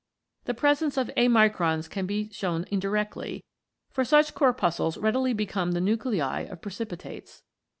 The presence of amicrons can be shown indirectly, for such corpuscules readily become the nuclei of pre cipitates.